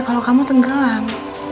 kalo kamu tenggelam